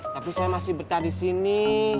tapi saya masih betah di sini